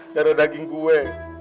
darah daging gue